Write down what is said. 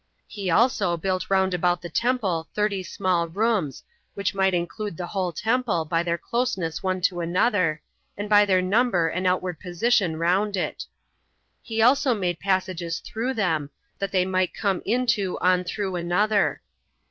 He also built round about the temple thirty small rooms, which might include the whole temple, by their closeness one to another, and by their number and outward position round it. He also made passages through them, that they might come into on through another.